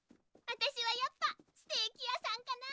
私はやっぱステーキ屋さんかな。